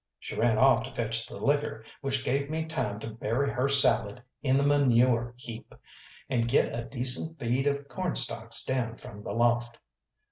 She ran off to fetch the liquor, which gave me time to bury her salad in the manure heap, and get a decent feed of cornstalks down from the loft.